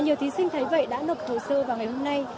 nhiều thí sinh thấy vậy đã nộp hồ sơ vào ngày hôm nay